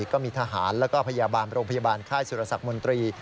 ก็มีทหารและโรงพยาบาลค่ายสุรษักรมนตรี